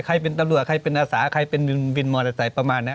ใครเป็นตำรวจใครเป็นอาสาใครเป็นวินมอเตอร์ไซค์ประมาณนั้น